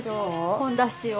ほんだしを。